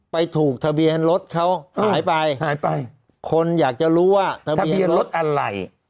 ไปถูกทะเบียนรถเขาหายไปหายไปคนอยากจะรู้ว่าทะเบียนรถอะไร